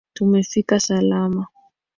Tumefika salama